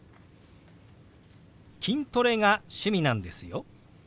「筋トレが趣味なんですよ」。